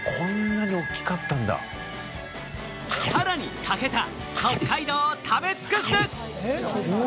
さらに武田、北海道を食べ尽くす！